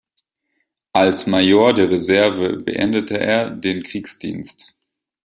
Als Major der Reserve beendete er den Kriegsdienst.